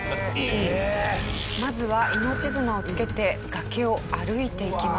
まずは命綱をつけて崖を歩いていきます。